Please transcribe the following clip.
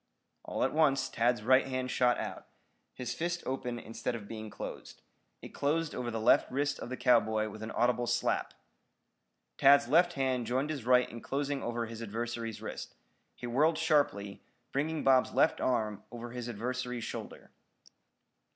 All at once Tad's right hand shot out, his fist open instead of being closed. It closed over the left wrist of the cowboy with an audible slap. Tad's left hand joined his right in closing over his adversary's wrist. He whirled sharply, bringing Bob's left arm over his adversary's shoulder.